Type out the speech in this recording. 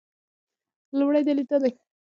لومړی دلیل دا دی چې حماسي سبک یې درلود.